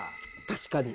確かに。